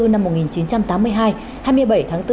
năm một nghìn chín trăm tám mươi hai hai mươi bảy tháng bốn